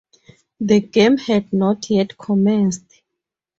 The game had not yet commenced.